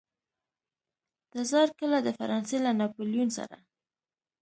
تزار کله د فرانسې له ناپلیون سره.